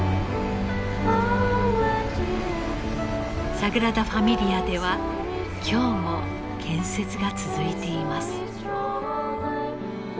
サグラダ・ファミリアでは今日も建設が続いています。